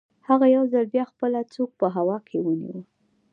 هغه یو ځل بیا خپله سوک په هوا کې ونیو